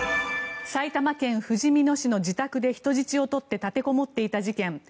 埼玉県ふじみ野市の自宅で人質を取って立てこもっていた事件。